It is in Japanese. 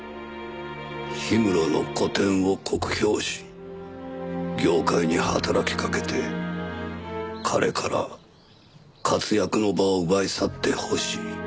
氷室の個展を酷評し業界に働きかけて彼から活躍の場を奪い去ってほしい。